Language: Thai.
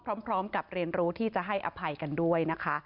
พร้อมกับเรียนรู้ที่จะให้อภัยกันด้วยนะคะ